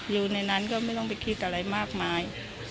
อยู่ในนั้นก็ไม่ต้องไปคิดอะไรมากมาย